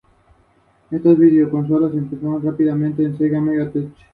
Actualmente compite en Primera Nacional, la segunda división de fútbol femenino en España.